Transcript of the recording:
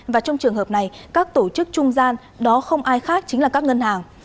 và trong trường hợp này các tổ chức trung gian đó không ai khác chính là các ngân hàng